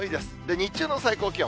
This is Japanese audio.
日中の最高気温。